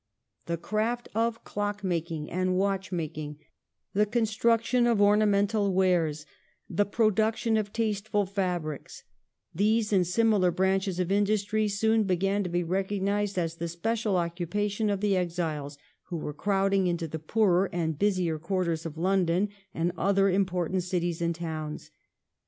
The craft of clockmaking and Watchmaking, the construction of ornamental wares, the production of tasteful fabrics — these and similar branches of industry soon began to be recognised as the special occupation of the exiles who were crowding into the poorer and busier quarters of London and other important cities and towns.